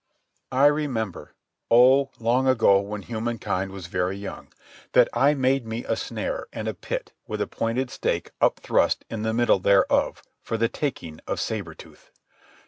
I remember, oh, long ago when human kind was very young, that I made me a snare and a pit with a pointed stake upthrust in the middle thereof, for the taking of Sabre Tooth.